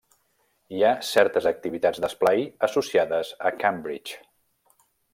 Hi ha certes activitats d'esplai associades a Cambridge.